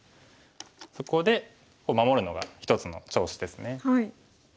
そこで守るのが一つの調子ですね。